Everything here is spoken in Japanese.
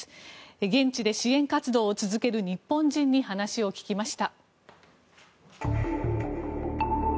現地で支援活動を続ける日本人に話を聞きました。